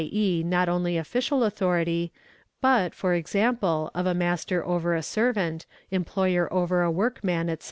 e., not only official authority, but e.g., of a master over a servant, employer over a workman, &c.